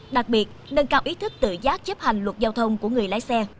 đặc biệt nâng cao ý thức tự giác chấp hành luật giao thông của người lái xe